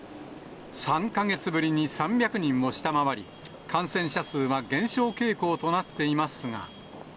３か月ぶりに３００人を下回り、感染者数は減少傾向となっていますが。